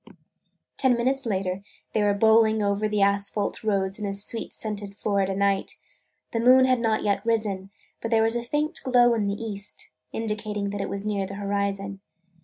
Ten minutes later they were bowling over the asphalt roads in the sweet scented Florida night. The moon had not yet risen, but there was a faint glow in the east, indicating that it was near the horizon.